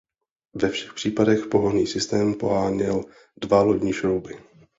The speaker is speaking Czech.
Ve všech případech pohonný systém poháněl dva lodní šrouby.